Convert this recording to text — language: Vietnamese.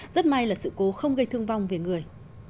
rất may là sự cố không gây thương vong về người